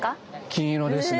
金色ですね。